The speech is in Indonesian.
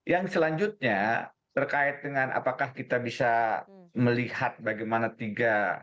yang selanjutnya terkait dengan apakah kita bisa melihat bagaimana tiga